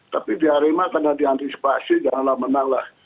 tapi di arema karena diantisipasi janganlah menanglah